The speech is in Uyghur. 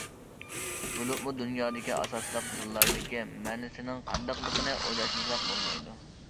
بولۇپمۇ دۇنيادىكى ئاساسلىق تىللاردىكى مەنىسىنىڭ قانداقلىقىنى ئويلاشمىساق بولمايدۇ.